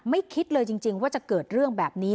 คิดเลยจริงว่าจะเกิดเรื่องแบบนี้